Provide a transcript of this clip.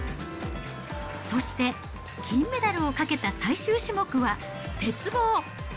そして金メダルをかけた最終種目は鉄棒。